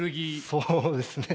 そうですね。